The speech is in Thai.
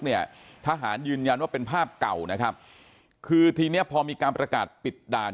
เนี่ยทหารยืนยันว่าเป็นภาพเก่านะครับคือทีเนี้ยพอมีการประกาศปิดด่าน